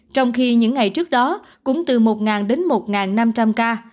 trong khi những ngày trước đó cũng từ một đến một năm trăm linh ca